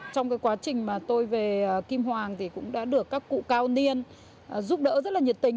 trong cái quá trình mà tôi về kim hoàng thì cũng đã được các cụ cao niên giúp đỡ rất là nhiệt tình